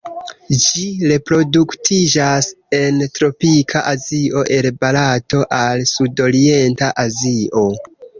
Ĝi reproduktiĝas en tropika Azio el Barato al Sudorienta Azio.